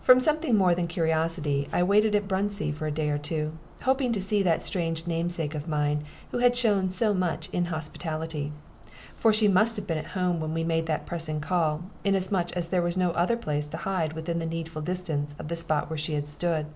From something more than mere curiosity, I waited at Bruntsea for a day or two, hoping to see that strange namesake of mine who had shown so much inhospitality. For she must have been at home when we made that pressing call, inasmuch as there was no other place to hide her within the needful distance of the spot where she had stood.